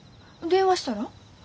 電話したら？